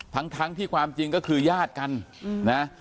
ทั้งที่ความจริงก็คือญาติกันนะ